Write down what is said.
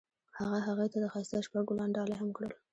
هغه هغې ته د ښایسته شپه ګلان ډالۍ هم کړل.